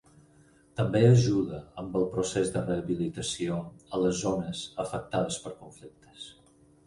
També ajuda amb el procés de rehabilitació a les zones afectades per conflictes.